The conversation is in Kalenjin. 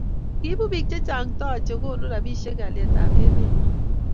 kiibu biik che chang' too che konu robisiek kalyetab eme nyo